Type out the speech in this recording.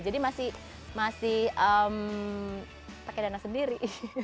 jadi masih masih pakai dana sendiri